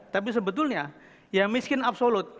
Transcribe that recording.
tapi sebetulnya ya miskin absolut